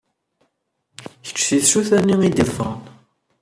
Kečč si tsuta-nni i d-iḍefren.